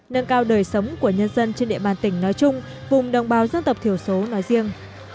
nâng cao đời sống của nhân dân trên địa bàn tỉnh nói chung vùng đồng bào dân tộc thiểu số nói riêng